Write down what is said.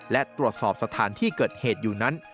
และตรวจสอบสถานที่เกิดเหตุอยู่นั้น